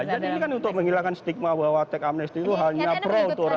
jadi ini kan untuk menghilangkan stigma bahwa tech amnesty itu hanya pro atau rakyat